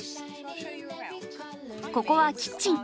ここはキッチン。